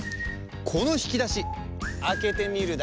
このひきだしあけてみるだし。